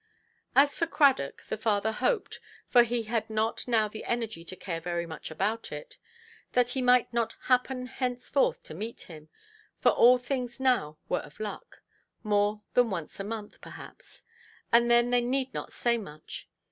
As for Cradock, the father hoped—for he had not now the energy to care very much about it—that he might not happen henceforth to meet him (for all things now were of luck) more than once a month, perhaps; and then they need not say much.